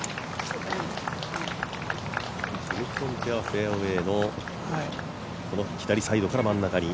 キム・キョンテはフェアウエーの左サイドから真ん中に。